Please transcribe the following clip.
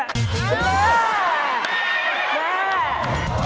สตูน